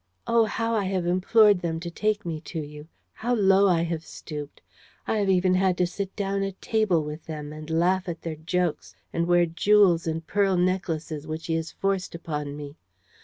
Oh, how I have implored them to take me to you! How low I have stooped! I have even had to sit down to table with them and laugh at their jokes and wear jewels and pearl necklaces which he has forced upon me.